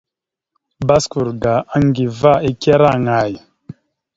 Baskur ga Aŋgiva ike ira aŋay?